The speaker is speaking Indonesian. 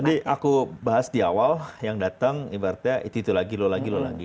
tadi aku bahas di awal yang datang ibaratnya itu itu lagi lho lagi lho lagi gitu